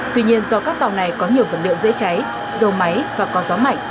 tuy nhiên do các tàu này có nhiều vật liệu dễ cháy dầu máy và có gió mạnh